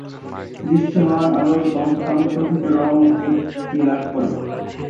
দৃশ্যমান আলোর কম্পাঙ্ক থেকে রং উৎপত্তি লাভ করে।